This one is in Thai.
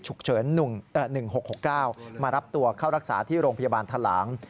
๑๖๖๙มารับตัวเข้ารักษาที่โรงพยาบาลทะลาง